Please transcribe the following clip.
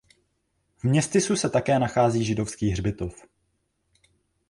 V městysu se také nachází židovský hřbitov.